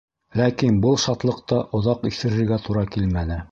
Ләкин был шатлыҡта оҙаҡ иҫерергә тура килмәне.